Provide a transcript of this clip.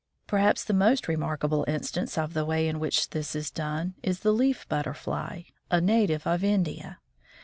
Perhaps the most remarkable instance of the way in which this is done is the leaf butterfly, a native of India.